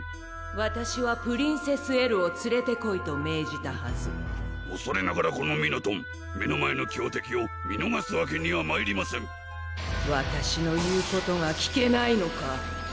わたしはプリンセス・エルをつれてこいと命じたはず・おそれながらこのミノトン目の前の強敵を見のがすわけにはまいりません・わたしの言うことが聞けないのか？